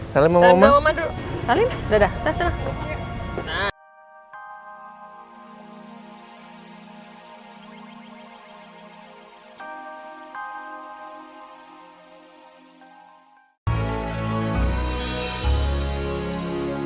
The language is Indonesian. sama mama dulu